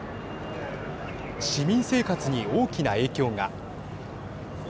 市民生活に大きな影響が。